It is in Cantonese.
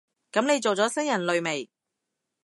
噉你做咗新人類未？